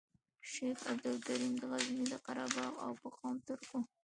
شیخ عبدالکریم د غزني د قره باغ او په قوم ترک وو.